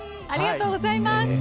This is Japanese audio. ありがとうございます。